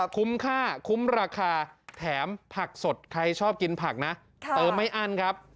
คุ้มค่าคุ้มราคาแถมผักสดใครชอบกินผักนะเติมไม่อั้นครับ